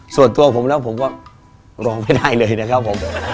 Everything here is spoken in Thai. ส่วนตัวผมแล้วผมก็ร้องไม่ได้เลยนะครับผม